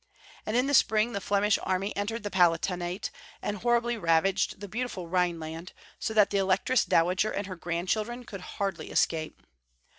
And in the spring the Flemish army entered the Palatinate, and horribly ravaged the beautiful Rhineland, so that the Electress dowager and her grandchildren could hardly escape.